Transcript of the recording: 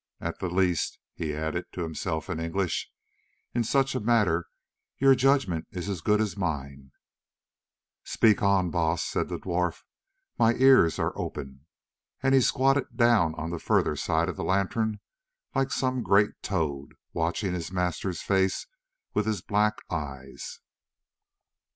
At the least," he added to himself in English, "in such a matter your judgment is as good as mine." "Speak on, Baas," said the dwarf; "my ears are open;" and he squatted down on the further side of the lantern like some great toad, watching his master's face with his black eyes.